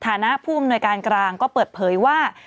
ฐานะผู้อำนวยการกลางก็เปิดเผยว่า